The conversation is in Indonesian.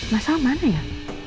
masalah mana ya